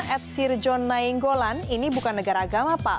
ad sirjon nainggolan ini bukan negara agama pak